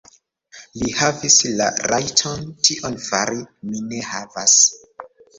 Li havis la rajton tion fari; mi ne havas.